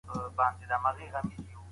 شیطاني وسوسو ته غوږ نه نیول کېږي.